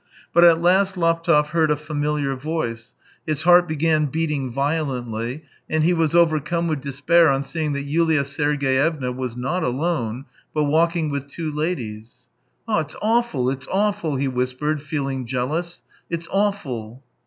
But at last Laptev heard a familiar voice, his heart began beating violently, and he was overcome with despair on seeing that Yulia Sergeyevna was not alone, but walking with two ladies. " It's awful, awful !" he whispered, feeling jealous. " It's awful